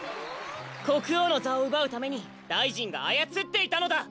こくおうのざをうばうために大臣があやつっていたのだ！